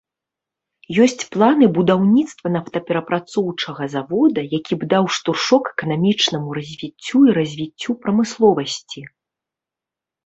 Ёсць планы будаўніцтва нафтаперапрацоўчага завода, які б даў штуршок эканамічнаму развіццю і развіццю прамысловасці.